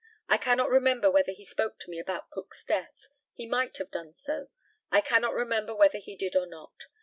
I cannot remember whether he spoke to me about Cook's death. He might have done so. I cannot remember whether he did or not.